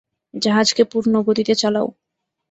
জাহাজকে পূর্ণ গতিতে চালাও!